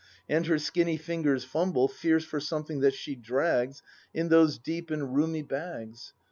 And her skinny fingers fumble Fierce for something that she drags In those deep and roomy bags.